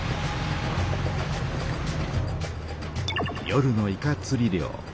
夜のイカつり漁。